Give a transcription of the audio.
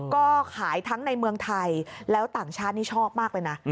ก็ขายทั้งในเมืองไทยแล้วต่างชาตินี่ชอบมากเลยนะ